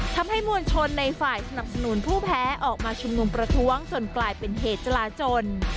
ทำให้มวลชนในฝ่ายสนับสนุนผู้แพ้ออกมาชุมนุมประท้วงจนกลายเป็นเหตุจราจน